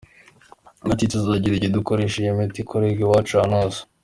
Yagize ati “Tuzagera igihe dukoresha iyi miti ikorerwa iwacu ahantu hose.